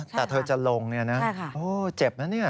แต่เธอจะลงโอ้เจ็บนะนี่